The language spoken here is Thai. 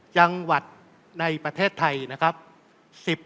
จังหวัดในประเทศไทยนะครับ